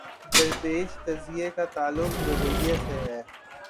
درپیش قضیے کا تعلق رویے سے ہے۔